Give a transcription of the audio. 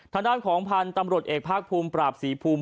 ท่านท่านของปานตำรดเอกภาคภูมิปราบสีภูมิ